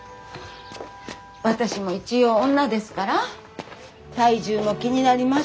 私も一応女ですから体重も気になりますし。